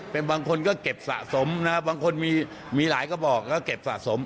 เป็นบางคนก็เก็บสะสมนะครับบางคนมีหลายกระบอกก็เก็บสะสม